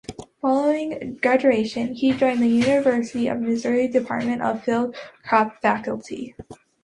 Following graduation, he joined the University of Missouri Department of Field Crops faculty.